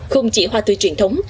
không chỉ hoa tươi truyền thống